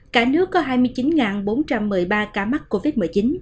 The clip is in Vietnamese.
cả nước có hai mươi chín bốn trăm một mươi ba ca mắc covid một mươi chín